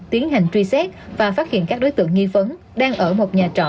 tiến hành truy xét và phát hiện các đối tượng nghi vấn đang ở một nhà trọ